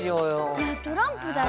いやトランプだよ。